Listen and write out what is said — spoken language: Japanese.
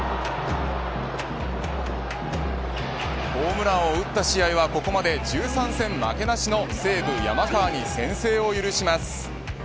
ホームランを打った試合はここまで１３戦負けなしの西武、山川に先制を許します。